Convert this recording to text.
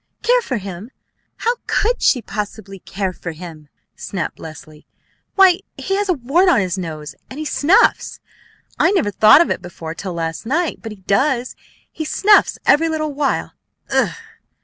"Care for him! How could she possibly care for him?" snapped Leslie. "Why, he has a wart on his nose, and he snuffs! I never thought of it before till last night, but he does; he snuffs every little while! Ugh!"